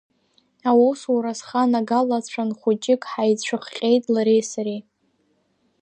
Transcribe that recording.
Аусура сханагалацәан, хәыҷык ҳаицәыхҟьеит лареи сареи.